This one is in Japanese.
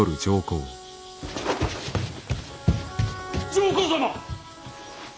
上皇様！